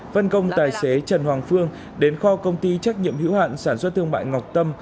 phân công tài xế trần hoàng phương đến kho công ty trách nhiệm hữu hạn sản xuất thương mại ngọc tâm